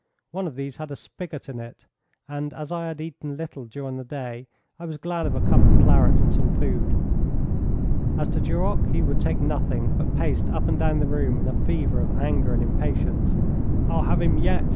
One of these had a spigot in it, and as I had eaten little during the day, I was glad of a cup of claret and some food. As to Duroc, he would take nothing, but paced up and down the room in a fever of anger and impatience. 'I'll have him yet!'